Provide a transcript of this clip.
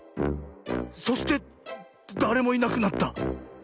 そしてだれもいなくなった。